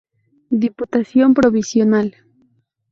Diputación Provincial.